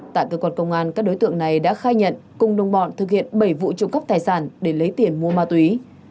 tại cơ quan công an các đối tượng này đã khai nhận cùng đồng bọn thực hiện bảy vụ trộm cắp tài sản để lấy tiền mua ma túy